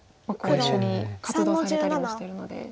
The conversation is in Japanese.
一緒に活動されたりもしてるので。